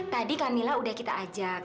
tadi camilla udah kita ajak